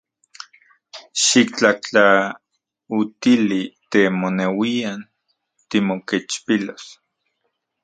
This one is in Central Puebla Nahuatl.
Xiktlajtlautili te moneuian timokechpilos.